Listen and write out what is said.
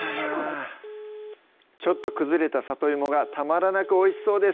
ちょっと崩れた里芋がたまらなくおいしそうです